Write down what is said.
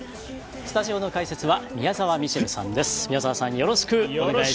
スタジオの解説は宮澤ミシェルさんです。